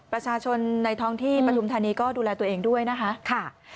ประชาชนในท้องที่ปฐุมธานีก็ดูแลตัวเองด้วยนะคะ